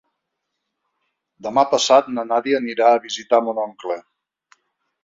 Demà passat na Nàdia anirà a visitar mon oncle.